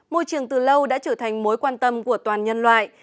môi trường từ lâu đã trở thành mối quan tâm của toàn nhân loại